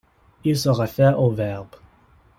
Il se réfère au verbe '.